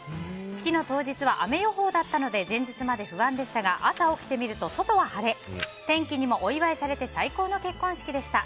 式の当日は雨予報だったので前日まで不安でしたが朝起きてみると外は晴れ天気にもお祝いされて最高の結婚式でした。